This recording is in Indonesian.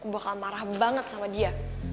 bakal marah banget sama dia